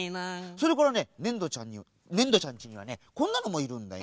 それからねねんどちゃんちにはねこんなのもいるんだよ。